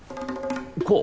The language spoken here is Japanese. こう？